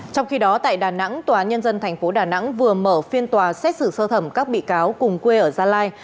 trong khi đó tại đà nẵng tòa nhân dân tp đà nẵng vừa mở phiên tòa xét xử sơ thẩm các bị cáo cùng quê ở gia lai